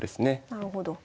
なるほど。